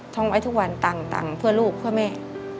ท่องไว้ทุกวันต่างเพื่อลูกเพื่อแม่